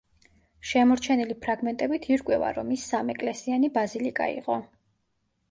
შემორჩენილი ფრაგმენტებით ირკვევა, რომ ის სამეკლესიანი ბაზილიკა იყო.